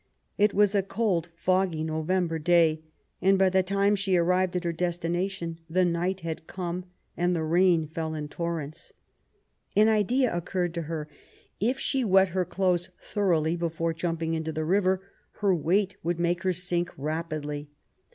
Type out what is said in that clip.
It was a cold^ foggy November day, and by the time she arrived at her destination the night had come, and the rain fell in torrents. An idea occurred to her: if she wet her clothes thoroughly before jumping into the river, their weight would make her sink rapidly.